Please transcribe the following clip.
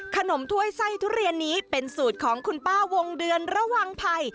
ถ้วยไส้ทุเรียนนี้เป็นสูตรของคุณป้าวงเดือนระวังภัย